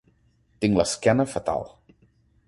Tinc l'esquena fatal.